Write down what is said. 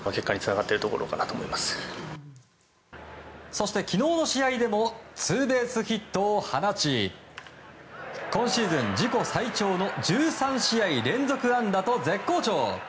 そして昨日の試合でもツーベースヒットを放ち今シーズン自己最長の１３試合連続安打と絶好調。